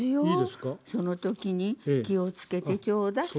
その時に気を付けてちょうだい。